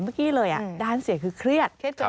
เมื่อกี้เลยด้านเสียงคือเครียดจน